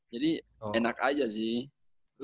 jadi enak aja sih